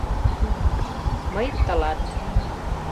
— «Мый — тылат...»